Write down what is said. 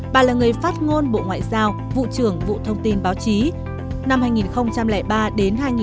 bà là người phát ngôn bộ ngoại giao vụ trưởng vụ thông tin báo chí